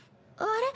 あれ？